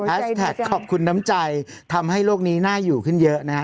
ขอบคุณน้ำใจทำให้โลกนี้น่าอยู่ขึ้นเยอะนะฮะ